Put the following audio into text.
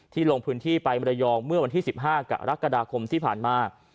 ลงพื้นที่ไปมรยองเมื่อวันที่๑๕กรกฎาคมที่ผ่านมา